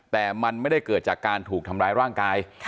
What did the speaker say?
แต่มันไม่ได้เกิดจากการถูกทำร้ายร่างกาย